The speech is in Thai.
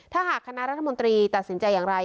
ถ้าหากคณะรัฐมนตรีตัดสินใจอย่างไร